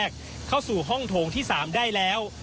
เข้าสู่ห้องโถงที่๓ได้แล้ว